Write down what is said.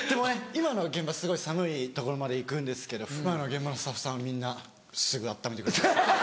今の現場すごい寒い所まで行くんですけど今の現場のスタッフさんはみんなすぐ温めてくれます。